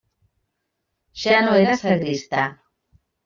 Ja no era sagristà.